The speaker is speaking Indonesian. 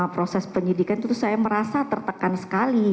proses penyidikan itu saya merasa tertekan sekali